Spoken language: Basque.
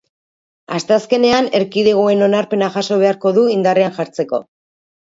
Asteazkenean erkidegoen onarpena jaso beharko du indarrean jartzeko.